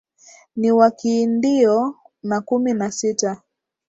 ni wa Kiindio na kumi na sita